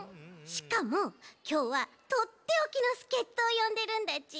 しかもきょうはとっておきのすけっとをよんでるんだち。